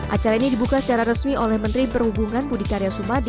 acara ini dibuka secara resmi oleh menteri perhubungan budi karya sumadi